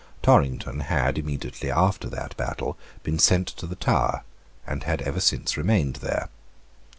Torrington had, immediately after that battle, been sent to the Tower, and had ever since remained there.